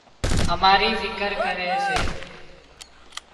اماري فڪر ڪري سي